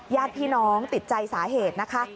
ญาติพี่น้องติดใจสาเหตุนะคะ